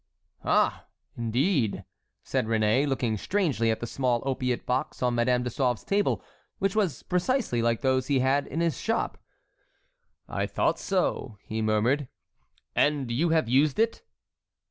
"Ah! indeed!" said Réné, looking strangely at the small opiate box on Madame de Sauve's table, which was precisely like those he had in his shop. "I thought so!" he murmured. "And you have used it?"